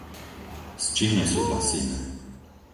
S čím nesúhlasíme?